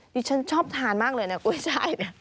ดิฉันชอบทานมากเลยนะกุ้ยช่ายเนี่ย